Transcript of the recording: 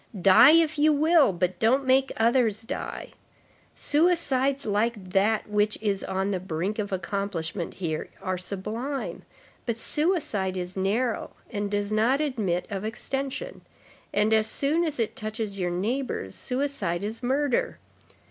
Die, if you will, but don't make others die. Suicides like that which is on the brink of accomplishment here are sublime; but suicide is narrow, and does not admit of extension; and as soon as it touches your neighbors, suicide is murder.